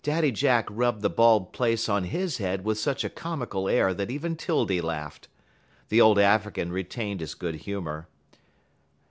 Daddy Jack rubbed the bald place on his head with such a comical air that even 'Tildy laughed. The old African retained his good humor.